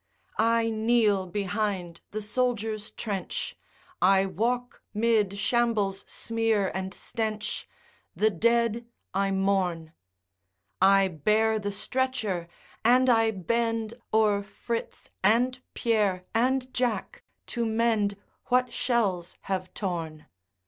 I kneel behind the soldier's trench, I walk 'mid shambles' smear and stench, The dead I mourn; I bear the stretcher and I bend O'er Fritz and Pierre and Jack to mend What shells have torn.